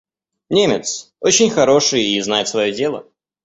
Немец, очень хороший и знает свое дело.